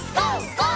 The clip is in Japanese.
ＧＯ！